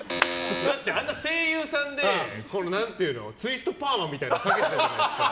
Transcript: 声優さんでツイストパーマみたいなのかけてたじゃないですか。